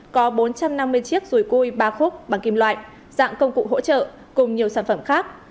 có bốn trăm năm mươi chiếc rùi cui ba khúc bằng kim loại dạng công cụ hỗ trợ cùng nhiều sản phẩm khác